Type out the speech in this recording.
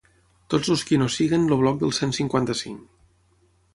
Tots els qui no siguin el bloc del cent cinquanta-cinc.